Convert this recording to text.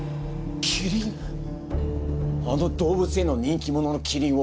あの動物園の人気者のキリンを。